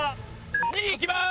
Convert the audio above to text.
２いきます！